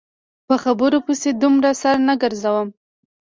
په خبرو پسې دومره سر نه ګرځوم.